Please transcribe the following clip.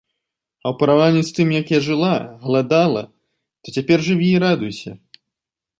А ў параўнанні з тым, як я жыла, галадала, то цяпер жыві і радуйся.